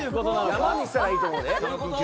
山にしたらいいと思うで。